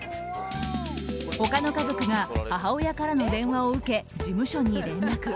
他の家族が母親からの電話を受け事務所に連絡。